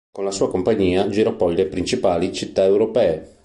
Con la sua compagnia girò poi le principali città europee.